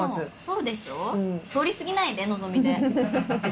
そうでしょ通り過ぎないでのぞみで。